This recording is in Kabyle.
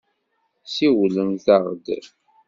Siwlemt-aɣ-d.